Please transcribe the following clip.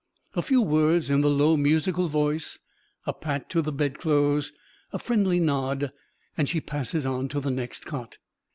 A few words in the low, musical voice, a pat to the bedclothes, a friendly nod, and she passes on to the next cot.